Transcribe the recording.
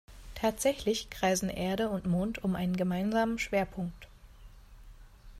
Tatsächlich kreisen Erde und Mond um einen gemeinsamen Schwerpunkt.